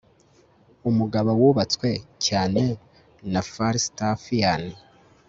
Umugabo wubatswe cyane na Falstaffian